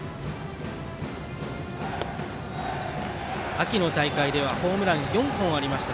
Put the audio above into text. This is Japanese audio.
秋の大会ではホームラン４本ありました